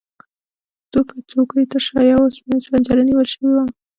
د دوو څوکیو ترشا یوه اوسپنیزه پنجره نیول شوې وه.